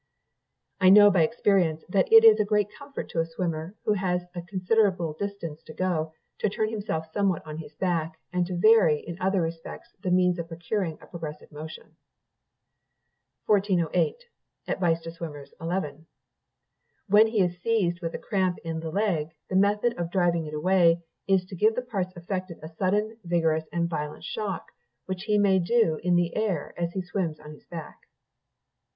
"I know by experience, that it is a great comfort to a swimmer, who has a considerable distance to go, to turn himself sometimes on his back, and to vary, in other respects, the means of procuring a progressive motion. 1408. "When he is seized with the cramp in the leg, the method of driving it away is to give the parts affected a sudden, vigorous, and violent shock; which he may do in the air as he swims on his back.